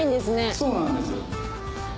そうなんです。